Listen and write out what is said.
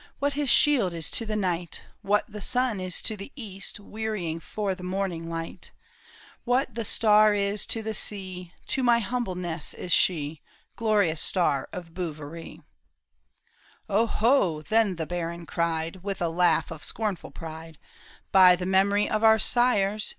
What his shield is to the knight, What the sun is to the east. Wearying for the morning light ; AVhat the star is to the sea. To my humbleness is she, Glorious star of Bouverie !"'^ O ho !" then the baron cried, With a laugh of scornful pride, " By the mem'ry of our sires.